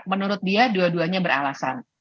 menurut dia dua duanya beralasan